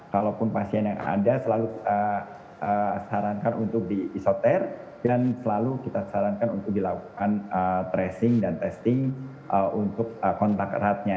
kalaupun pasien yang ada selalu kita sarankan untuk diisoter dan selalu kita sarankan untuk dilakukan tracing dan testing untuk kontak eratnya